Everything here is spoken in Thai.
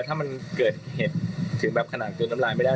ถ้ามันเกิดเหตุถึงแบบขนาดกลืนน้ำลายไม่ได้